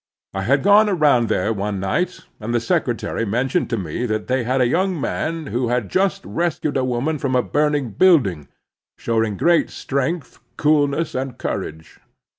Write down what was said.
I had gone aroimd there one night, and the secretary men tioned to me that they had a yoimg man who had just rescued a woman from a burning building, showing great strength, coolness, and courage.